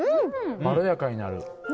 まろやかになる。